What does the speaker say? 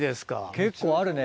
結構あるね。